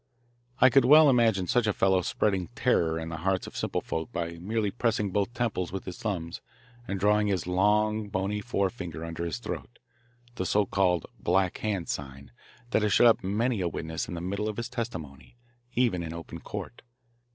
I could well imagine such a fellow spreading terror in the hearts of simple folk by merely pressing both temples with his thumbs and drawing his long bony fore finger under his throat the so called Black Hand sign that has shut up many a witness in the middle of his testimony even in open court.